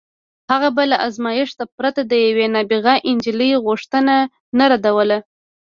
هغه به له ازمایښت پرته د یوې نابغه نجلۍ غوښتنه نه ردوله